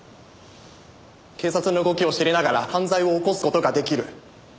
警察の動きを知りながら犯罪を起こす事が出来る。